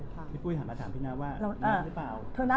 พี่ปุ๊ยหันมาถามพี่น้าว่านัดหรือเปล่า